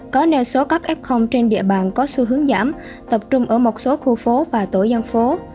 có nơi số cấp f trên địa bàn có xu hướng giảm tập trung ở một số khu phố và tổ dân phố